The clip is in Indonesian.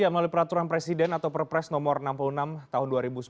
melalui peraturan presiden atau perpres nomor enam puluh enam tahun dua ribu sembilan belas